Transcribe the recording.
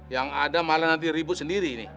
yang ada malah nanti ribut sendiri ini